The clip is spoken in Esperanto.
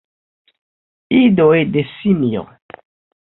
Idoj de simio!